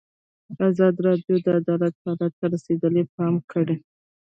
ازادي راډیو د عدالت حالت ته رسېدلي پام کړی.